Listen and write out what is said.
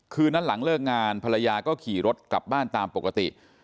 คืนนั้นหลังเลิกงานภรรยาก็ขี่รถกลับบ้านตามปกติ